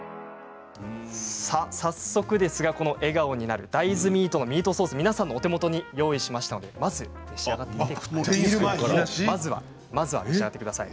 早速ですが、笑顔になる大豆ミートのミートソース皆さんのお手元に用意しましたのでまずは召し上がってください。